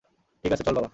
ঠিক আছে, চল বাবা!